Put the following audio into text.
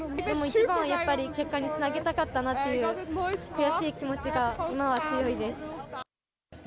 でも一番はやっぱり、結果につなげたかったなっていう、悔しい気持ちが今は強いです。